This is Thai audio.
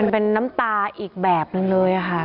เป็นน้ำตาอีกแบบนึงเลยค่ะ